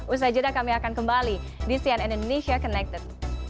usai jeda kami akan kembali di cnn indonesia connected